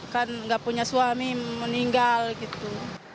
kan nggak punya suami meninggal gitu